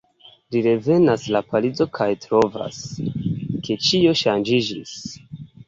Li revenas la Parizo kaj trovas, ke ĉio ŝanĝiĝis.